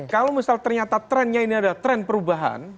kalau misalnya ternyata trendnya ini adalah trend perubahan